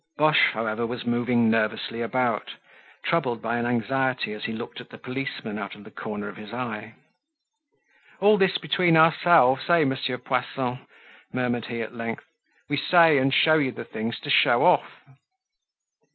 Boche, however, was moving nervously about, troubled by an anxiety as he looked at the policeman out of the corner of his eye. "All this between ourselves, eh, Monsieur Poisson?" murmured he at length. "We say and show you things to show off."